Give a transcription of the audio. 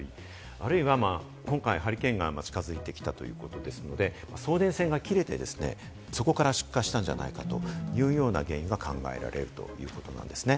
あるいは今回、ハリケーンが近づいてきたということですので、送電線が切れて、そこから出火したんじゃないかというような原因が考えられるということなんですね。